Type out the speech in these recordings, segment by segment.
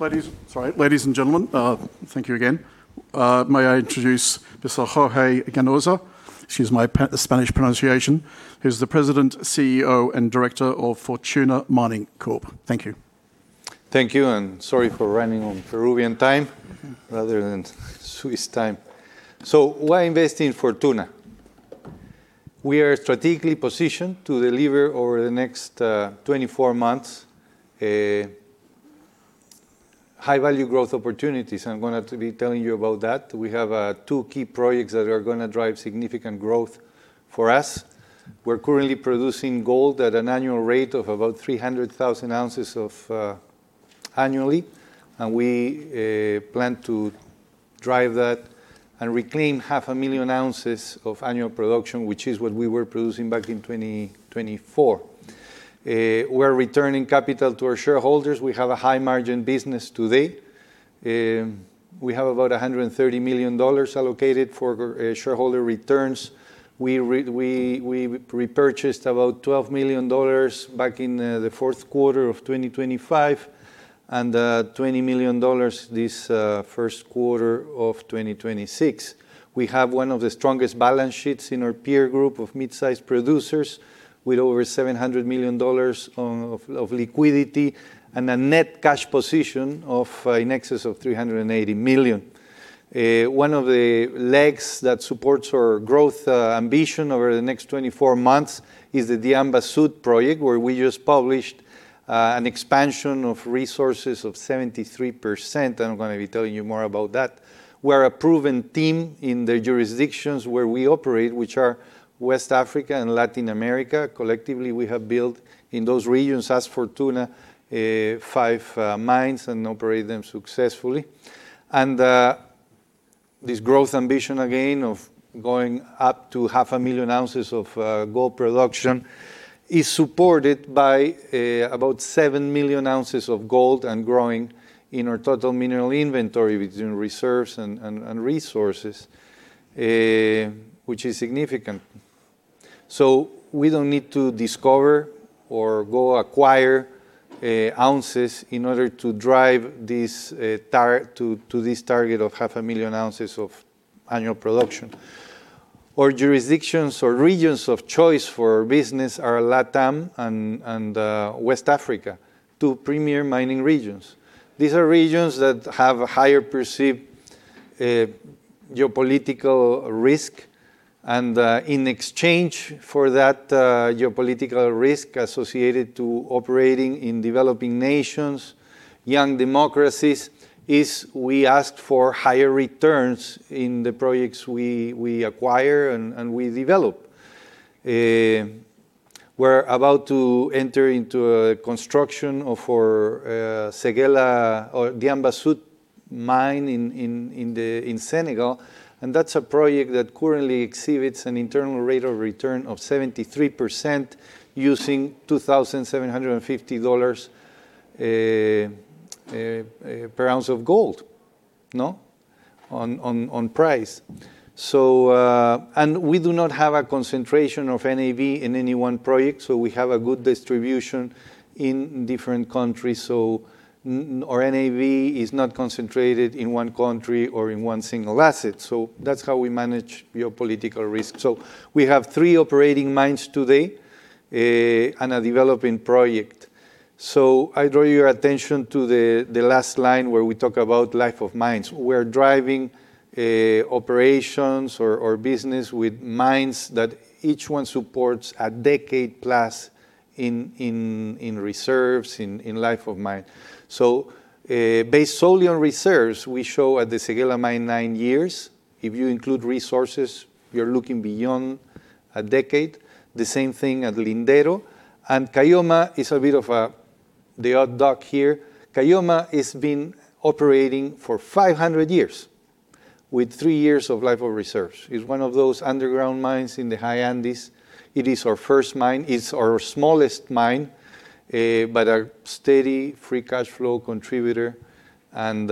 Ladies and gentlemen, thank you again. May I introduce Mr. Jorge Ganoza. Excuse my Spanish pronunciation. He's the President, CEO, and Director of Fortuna Mining Corp. Thank you. Thank you, and sorry for running on Peruvian time rather than Swiss time. Why invest in Fortuna? We are strategically positioned to deliver over the next 24 months high-value growth opportunities, and I'm going to be telling you about that. We have two key projects that are going to drive significant growth for us. We're currently producing gold at an annual rate of about 300,000 ounces annually. We plan to drive that and reclaim 500,000 ounces of annual production, which is what we were producing back in 2024. We're returning capital to our shareholders. We have a high-margin business today. We have about $130 million allocated for shareholder returns. We repurchased about $12 million back in the fourth quarter of 2025 and $20 million this first quarter of 2026. We have one of the strongest balance sheets in our peer group of mid-size producers, with over $700 million of liquidity and a net cash position of in excess of $380 million. One of the legs that supports our growth ambition over the next 24 months is the Diamba Sud project, where we just published an expansion of resources of 73%, and I'm going to be telling you more about that. We're a proven team in the jurisdictions where we operate, which are West Africa and Latin America. Collectively, we have built in those regions, as Fortuna, five mines and operate them successfully. This growth ambition again of going up to 500,000 ounces of gold production is supported by about 7 million ounces of gold and growing in our total mineral inventory between reserves and resources, which is significant. We don't need to discover or go acquire ounces in order to drive to this target of 500,000 ounces of annual production. Our jurisdictions or regions of choice for business are LATAM and West Africa, two premier mining regions. These are regions that have a higher perceived geopolitical risk. In exchange for that geopolitical risk associated to operating in developing nations, young democracies, is we ask for higher returns in the projects we acquire and we develop. We're about to enter into a construction of our Séguéla or Diamba Sud mine in Senegal, and that's a project that currently exhibits an internal rate of return of 73% using $2,750 per ounce of gold on price. We do not have a concentration of NAV in any one project, so we have a good distribution in different countries. Our NAV is not concentrated in one country or in one single asset. That's how we manage geopolitical risk. We have three operating mines today and a developing project. I draw your attention to the last line where we talk about life of mines. We're driving operations or business with mines that each one supports a decade plus in reserves, in life of mine. Based solely on reserves, we show at the Séguéla Mine nine years. If you include resources, we are looking beyond a decade. The same thing at Lindero. Caylloma is a bit of the odd duck here. Caylloma has been operating for 500 years with three years of life of reserves. It's one of those underground mines in the high Andes. It is our first mine, it's our smallest mine, but a steady free cash flow contributor. And,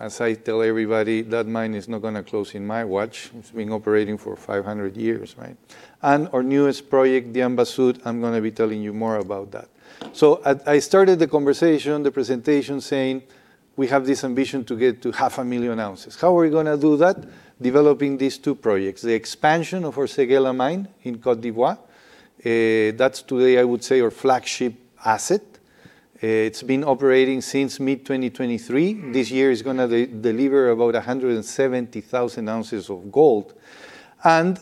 as I tell everybody, that mine is not going to close in my watch. It's been operating for 500 years, right? And our newest project, Diamba Sud, I'm going to be telling you more about that. So, I started the conversation, the presentation, saying we have this ambition to get to 500,000 ounces. How are we going to do that? Developing these two projects, the expansion of our Séguéla Mine in Côte d'Ivoire, that's today, I would say, our flagship asset. It's been operating since mid-2023. This year is going to deliver about 170,000 ounces of gold. And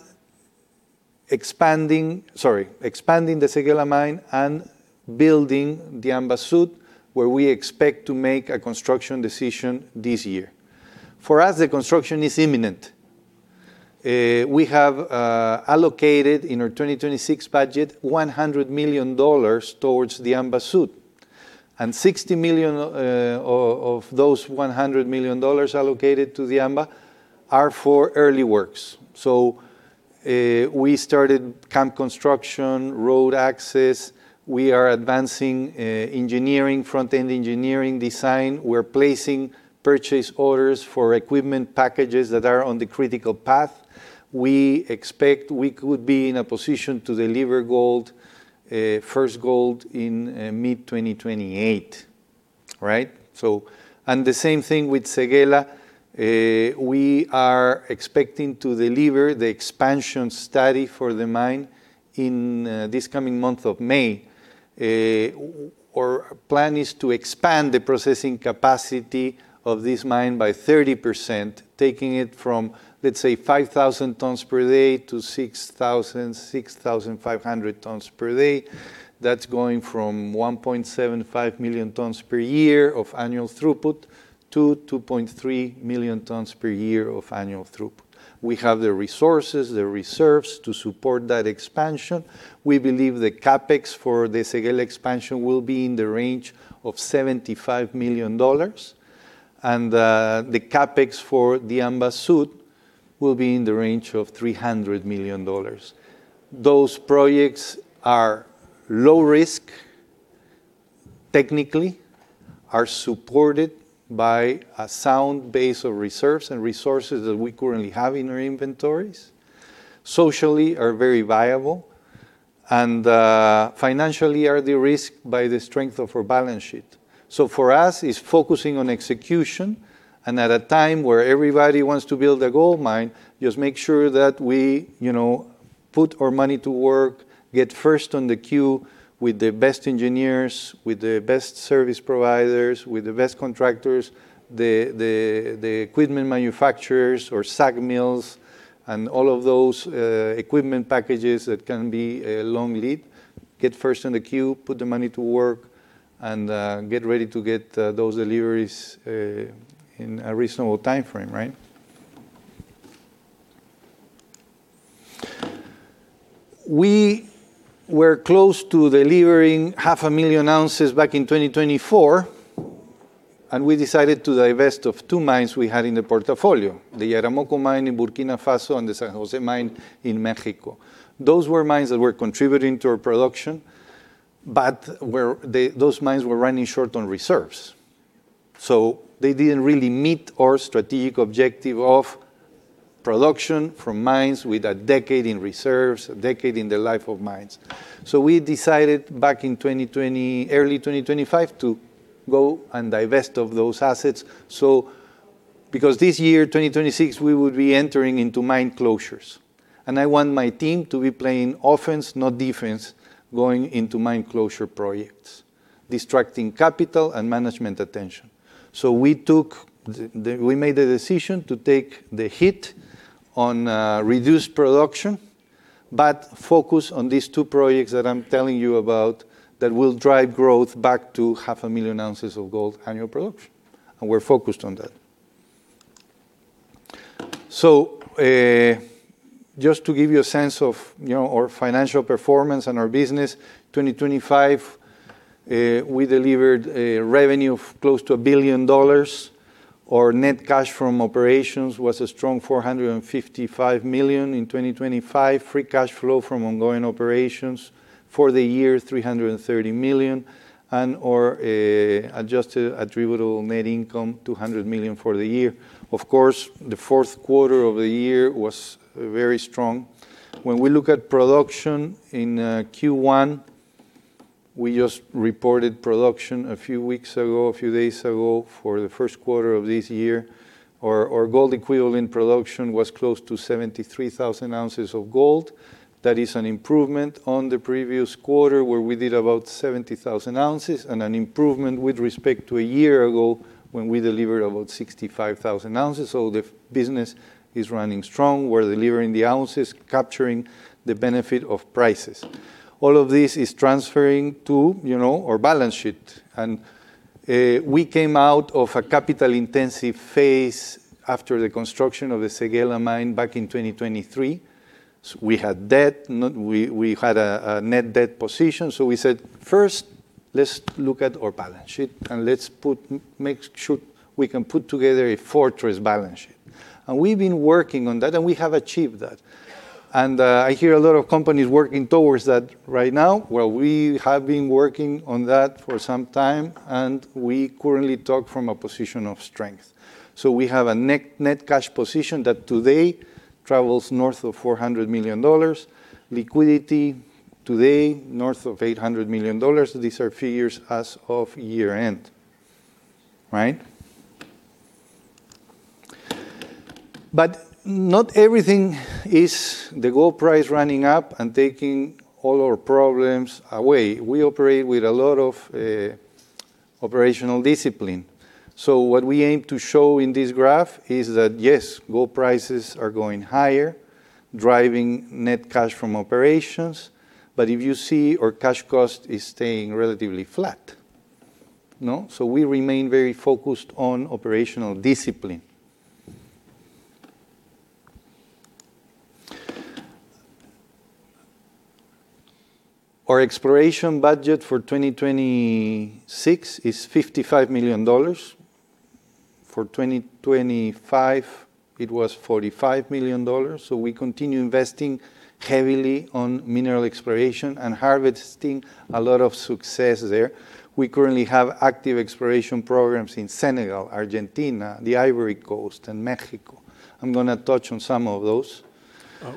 expanding the Séguéla Mine and building Diamba Sud, where we expect to make a construction decision this year. For us, the construction is imminent. We have allocated in our 2026 budget $100 million towards Diamba Sud. And $60 million of those $100 million allocated to Diamba are for early works. So we started camp construction, road access. We are advancing engineering, front-end engineering design. We're placing purchase orders for equipment packages that are on the critical path. We expect we could be in a position to deliver gold, first gold in mid-2028.Right? So, and the same thing with Seguela. We are expecting to deliver the expansion study for the mine in this coming month of May. Our plan is to expand the processing capacity of this mine by 30%, taking it from, let's say, 5,000 tons per day to 6,000, 6,500 tons per day. That's going from 1.75 million tons per year of annual throughput to 2.3 million tons per year of annual throughput. We have the resources, the reserves to support that expansion. We believe the CapEx for the Séguéla expansion will be in the range of $75 million, and the CapEx for Diamba Sud will be in the range of $300 million. Those projects are low risk technically, are supported by a sound base of reserves and resources that we currently have in our inventories, socially are very viable, and financially are de-risked by the strength of our balance sheet. For us, it's focusing on execution, and at a time where everybody wants to build a gold mine, just make sure that we put our money to work, get first in the queue with the best engineers, with the best service providers, with the best contractors, the equipment manufacturers or SAG mills and all of those equipment packages that can be a long lead. Get first in the queue, put the money to work, and get ready to get those deliveries in a reasonable timeframe, right? We were close to delivering 500,000 ounces back in 2024, and we decided to divest of two mines we had in the portfolio, the Yaramoko Mine in Burkina Faso and the San José Mine in Mexico. Those were mines that were contributing to our production, but those mines were running short on reserves. They didn't really meet our strategic objective of production from mines with a decade in reserves, a decade in the life of mines. We decided back in early 2025 to go and divest of those assets. Because this year, 2026, we would be entering into mine closures. I want my team to be playing offense, not defense, going into mine closure projects, distracting capital and management attention. So we took, we made the decision to take the hit on reduced production, but focus on these two projects that I'm telling you about that will drive growth back to 500,000 ounces of gold annual prod. We're focused on that. Just to give you a sense of our financial performance and our business, 2025, we delivered a revenue of close to $1 billion. Our net cash from operations was a strong $455 million in 2025. Free cash flow from ongoing operations for the year, $330 million. Our adjusted attributable net income, $200 million for the year. Of course, the fourth quarter of the year was very strong. When we look at production in Q1, we just reported production a few weeks ago, a few days ago for the first quarter of this year. Our gold equivalent production was close to 73,000 ounces of gold. That is an improvement on the previous quarter, where we did about 70,000 ounces, and an improvement with respect to a year ago, when we delivered about 65,000 ounces. The business is running strong. We're delivering the ounces, capturing the benefit of prices. All of this is transferring to our balance sheet. We came out of a capital-intensive phase after the construction of the Séguéla Mine back in 2023. We had debt, we had a net debt position. We said, first, let's look at our balance sheet, and let's make sure we can put together a fortress balance sheet. We've been working on that, and we have achieved that. I hear a lot of companies working towards that right now. Well, we have been working on that for some time, and we currently talk from a position of strength. We have a net cash position that today travels north of $400 million. Liquidity today, north of $800 million. These are figures as of year-end, right? Not everything is the gold price running up and taking all our problems away. We operate with a lot of operational discipline. What we aim to show in this graph is that, yes, gold prices are going higher, driving net cash from operations. If you see our cash cost is staying relatively flat. No? We remain very focused on operational discipline. Our exploration budget for 2026 is $55 million. For 2025, it was $45 million. We continue investing heavily on mineral exploration and harvesting a lot of success there. We currently have active exploration programs in Senegal, Argentina, the Ivory Coast, and Mexico. I'm going to touch on some of those.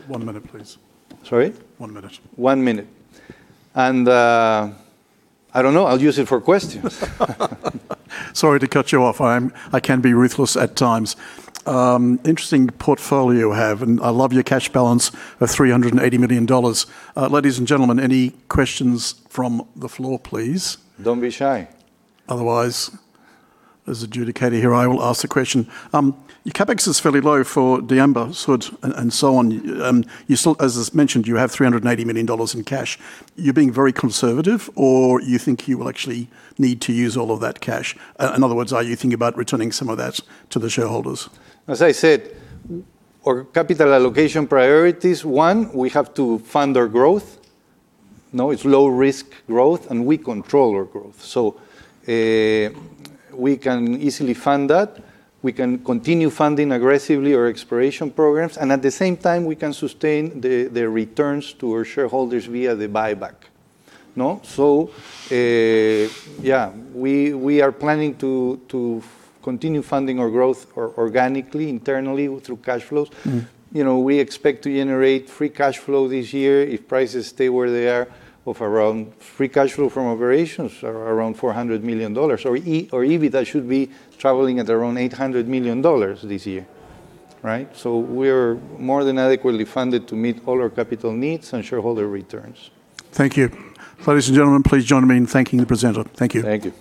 One minute, please. Sorry? One minute. One minute. I don't know. I'll use it for questions. Sorry to cut you off. I can be ruthless at times. Interesting portfolio you have, and I love your cash balance of $380 million. Ladies and gentlemen, any questions from the floor, please? Don't be shy. Otherwise, as adjudicator here, I will ask the question. Your CapEx is fairly low for Diamba Sud and so on. As is mentioned, you have $380 million in cash. You're being very conservative, or you think you will actually need to use all of that cash? In other words, are you thinking about returning some of that to the shareholders? As I said, our capital allocation priorities, one, we have to fund our growth. Now, it's low-risk growth, and we control our growth. We can easily fund that. We can continue funding aggressively our exploration programs, and at the same time, we can sustain the returns to our shareholders via the buyback. No? Yeah, we are planning to continue funding our growth organically, internally through cash flows. Mm-hmm. We expect to generate free cash flow this year if prices stay where they are. Free cash flow from operations are around $400 million. Our EBITDA should be traveling at around $800 million this year. Right? We're more than adequately funded to meet all our capital needs and shareholder returns. Thank you. Ladies and gentlemen, please join me in thanking the presenter. Thank you. Thank you.